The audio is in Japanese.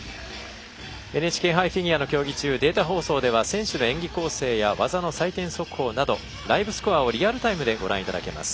ＮＨＫ杯フィギュアの放送中データ放送では選手の演技構成や技の採点速報などライブスコアをリアルタイムでご覧いただけます。